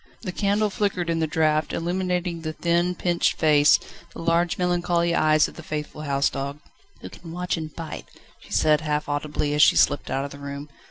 The candle flickered in the draught, illumining the thin, pinched face, the large melancholy eyes of the faithful house dog. "Who can watch and bite!" she said half audibly as she slipped out of the room.